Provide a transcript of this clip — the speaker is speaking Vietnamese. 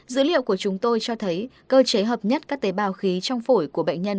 dữ liệu của chúng tôi cho thấy cơ chế hợp nhất các tế bào khí trong phổi của bệnh nhân